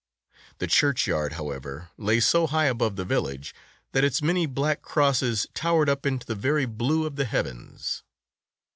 The churchyard, however, lay so high above the village, that its many black crosses towered up into the very blue of the heavens.